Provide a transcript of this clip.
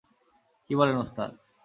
কী বলেন ওস্তাদ!